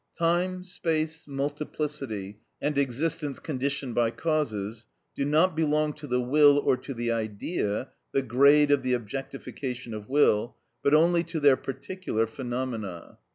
Time, space, multiplicity, and existence conditioned by causes, do not belong to the will or to the Idea (the grade of the objectification of will), but only to their particular phenomena.